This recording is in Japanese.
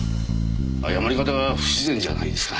誤り方が不自然じゃないですか？